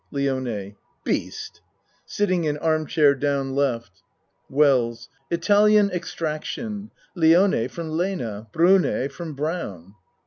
LIONE Beast! (Sitting in arm chair down L.) ACT I 23 WELLS Italian extraction. Lione from Lena Brune from Brown.